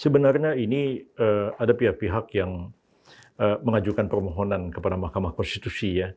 sebenarnya ini ada pihak pihak yang mengajukan permohonan kepada mahkamah konstitusi ya